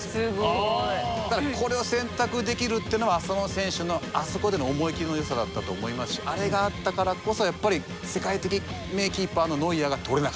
だからこれを選択できるっていうのは浅野選手のあそこでの思い切りの良さだったと思いますしあれがあったからこそやっぱり世界的名キーパーのノイヤーが捕れなかったっていう。